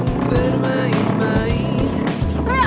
gue gak mau mati muda